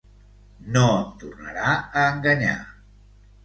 No em tornarà a enganyar.